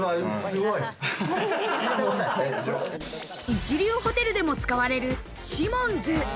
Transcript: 一流ホテルでも使われるシモンズ。